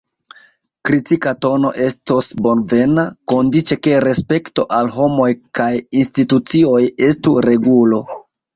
Kritika tono estos bonvena, kondiĉe ke respekto al homoj kaj institucioj estu regulo.